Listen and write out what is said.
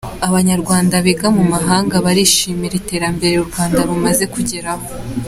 Abanyarwanda biga mu mahanga barishimira iterambere u Rwanda rumaze kugeraho